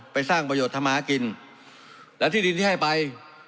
สร้างประโยชน์ทำมากินและที่ดินที่ให้ไป